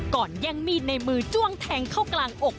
แย่งมีดในมือจ้วงแทงเข้ากลางอก